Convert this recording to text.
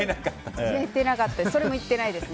それも言ってないですね。